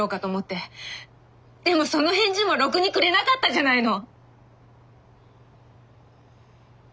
でもその返事もろくにくれなかったじゃないの！